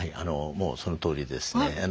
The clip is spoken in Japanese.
もうそのとおりですね。